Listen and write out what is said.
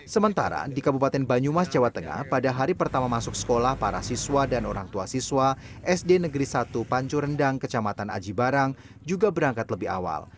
sementara di kabupaten banyumas jawa tengah pada hari pertama masuk sekolah para siswa dan orang tua siswa sd negeri satu pancu rendang kecamatan aji barang juga berangkat lebih awal